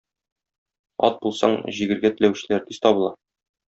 Ат булсаң җигергә теләүчеләр тиз табыла.